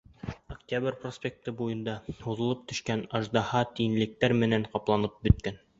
Октябрь проспекты буйында һуҙылып төшкән аждаһа тинлектәр менән ҡапланып бөткән.